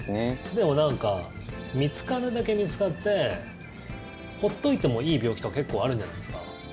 でもなんか見つかるだけ見つかって放っておいてもいい病気も結構あるんじゃないんですか？